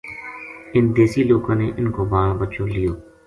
اِنھ دیسی لوکاں نے ان کو بال بچو لیو